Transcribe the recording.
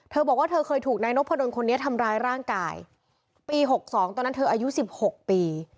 เธอบอกว่าเธอเคยถูกในนกพนต์คนนี้ทำร้ายร่างกายปี๖๒ตอนนั้นเธออายุ๑๖ปี